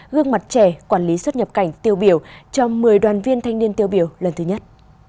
gương mặt trẻ quản lý xuất nhập cảnh tiêu biểu cho một mươi đoàn viên thanh niên tiêu biểu lần thứ nhất